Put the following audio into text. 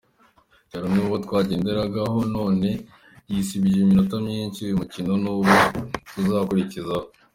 Yari umwe mubo twagenderagaho none yisibije iminota myinshi y’uyu mukino n’uwo tuzakurikizaho.